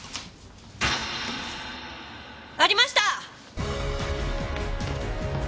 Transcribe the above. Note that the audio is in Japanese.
ありました！